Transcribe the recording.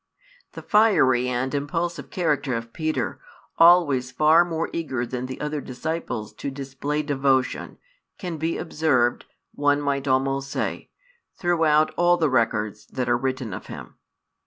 The fiery and impulsive character of Peter, always far more eager than the other disciples to display devotion, can be observed, one might almost say, throughout all the records that are written of him.